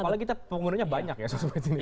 apalagi kita penggunanya banyak ya sosmed ini